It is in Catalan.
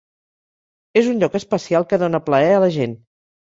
És un lloc especial que dona plaer a la gent.